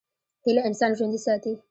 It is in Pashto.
هیله انسان ژوندی ساتي.